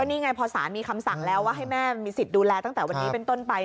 นี่ไงพอสารมีคำสั่งแล้วว่าให้แม่มีสิทธิ์ดูแลตั้งแต่วันนี้เป็นต้นไป